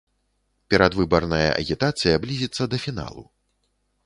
Перадвыбарная агітацыя блізіцца да фіналу.